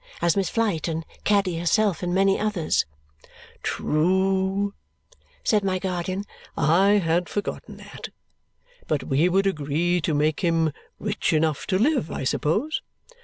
As Miss Flite, and Caddy herself, and many others. "True," said my guardian. "I had forgotten that. But we would agree to make him rich enough to live, I suppose?